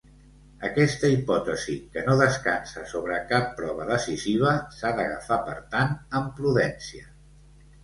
Aquesta hipòtesi, que no descansa sobre cap prova decisiva, s'ha d'agafar per tant amb prudència.